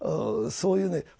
そういうね。